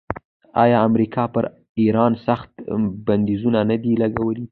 آیا امریکا پر ایران سخت بندیزونه نه دي لګولي؟